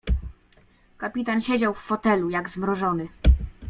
"Kapitan siedział w fotelu, jak zmrożony."